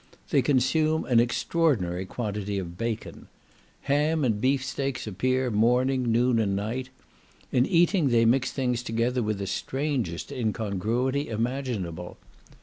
They consume an extraordinary quantity of bacon. Ham and beaf steaks appear morning, noon, and night. In eating, they mix things together with the strangest incongruity imaginable.